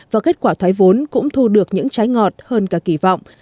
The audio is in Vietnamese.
và kết quả thoái vốn cũng thu được những trái ngọt hơn cả kỳ vọng